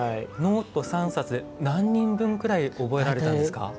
ノート３冊で何人分くらい覚えられたんですか？